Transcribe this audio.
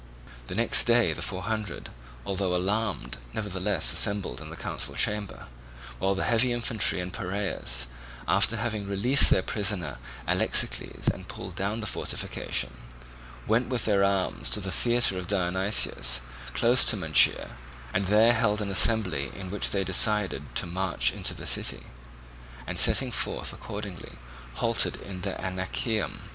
The next day the Four Hundred, although alarmed, nevertheless assembled in the council chamber, while the heavy infantry in Piraeus, after having released their prisoner Alexicles and pulled down the fortification, went with their arms to the theatre of Dionysus, close to Munychia, and there held an assembly in which they decided to march into the city, and setting forth accordingly halted in the Anaceum.